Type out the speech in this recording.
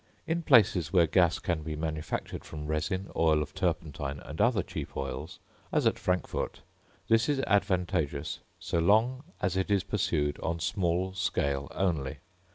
In places where gas can be manufactured from resin, oil of turpentine, and other cheap oils, as at Frankfort, this is advantageous so long as it is pursued on small scale only.